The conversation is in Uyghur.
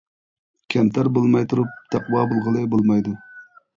كەمتەر بولماي تۇرۇپ تەقۋا بولغىلى بولمايدۇ.